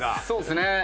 そうですね。